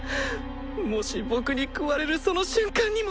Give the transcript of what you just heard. もし「僕に喰われるその瞬間にも」